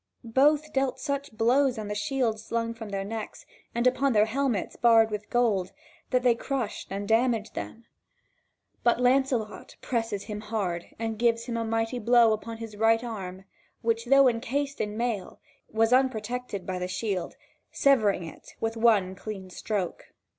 Both dealt such blows on the shield slung from their necks, and upon their helmets barred with gold, that they crushed and damaged them. But Lancelot presses him hard and gives him a mighty blow upon his right arm which, though encased in mail, was unprotected by the shield, severing it with one clean stroke.